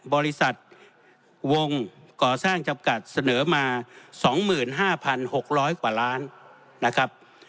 บริษัทวงศ์ก่อสร้างจำกัดเสนอมา๒๕๖๐๐บาทกว่าล้านบาท